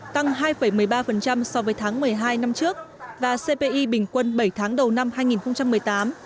tăng hai một mươi ba so với tháng một mươi hai năm trước và cpi bình quân bảy tháng đầu năm hai nghìn một mươi tám